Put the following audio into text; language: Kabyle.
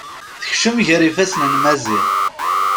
Tekcem gar ifasen n Maziɣ.